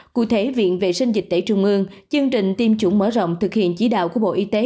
cụ thể viện vệ sinh dịch tễ trung ương chương trình tiêm chủng mở rộng thực hiện chỉ đạo của bộ y tế